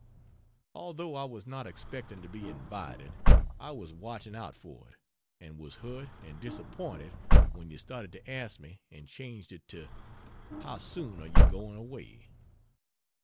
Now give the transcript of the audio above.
Although I was not expecting to be invited, I was watching out for it, and was hurt and disappointed when you started to ask me and changed it to, "How soon are you going away?"